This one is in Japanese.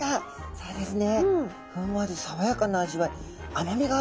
そうですね。